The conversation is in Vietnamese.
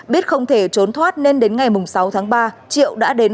biết không thể trốn thoát nên đến ngày sáu tháng ba triệu đã đến